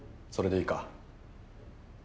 それでいいか。